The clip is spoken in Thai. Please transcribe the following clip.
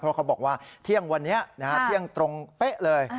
เพราะเขาบอกว่าเที่ยงวันนี้เที่ยงตรงเป๊ะเลย